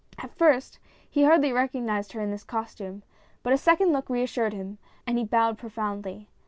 At first he hardly recog nized her in this costume, but a second look reassured him, and he bowed profoundly.